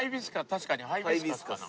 確かにハイビスカスかな？